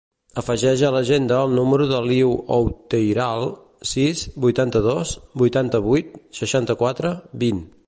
Afegeix a l'agenda el número de l'Iu Outeiral: sis, vuitanta-dos, vuitanta-vuit, seixanta-quatre, vint.